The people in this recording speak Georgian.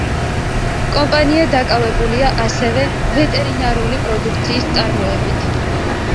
კომპანია დაკავებულია ასევე ვეტერინარული პროდუქციის წარმოებით.